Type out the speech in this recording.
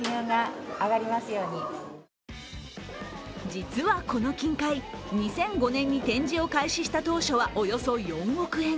実はこの金塊、２００５年に展示を開始した当初はおよそ４億円。